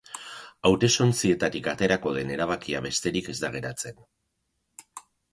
Hautestontzietatik aterako den erabakia besterik ez da geratzen.